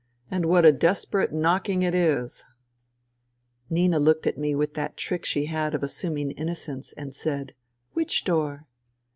And what a desperate knocking it is !" Nina looked at me with that trick she had of assum ing innocence and said :" Which door